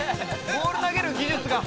ボール投げる技術が。